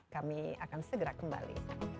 kami akan segera kembali